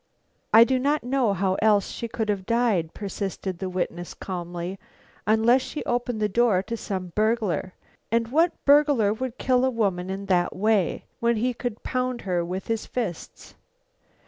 "I do not know how else she could have died," persisted the witness, calmly, "unless she opened the door to some burglar. And what burglar would kill a woman in that way, when he could pound her with his fists?